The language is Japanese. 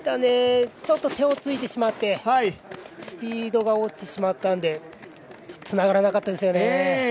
ちょっと手をついてしまってスピードが落ちてしまったんでつながらなかったですよね。